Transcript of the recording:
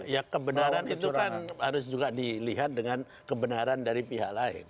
ya kebenaran itu kan harus juga dilihat dengan kebenaran dari pihak lain